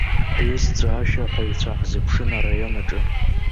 Ҳҩызцәа ашәаҳәаҩцәа ҳзыԥшын араион аҿы.